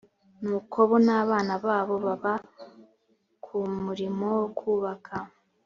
nuko bo n abana babo baba ku murimo wo kubaka